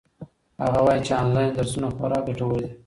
هغه وایي چې آنلاین درسونه خورا ګټور دي.